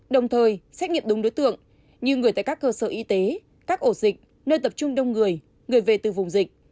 đồng thời xét nghiệm đúng đối tượng như người tại các cơ sở y tế các ổ dịch nơi tập trung đông người người về từ vùng dịch